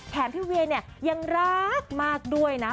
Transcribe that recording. พี่เวียเนี่ยยังรักมากด้วยนะ